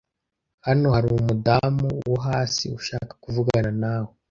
Hano hari umudamu wo hasi ushaka kuvugana nawe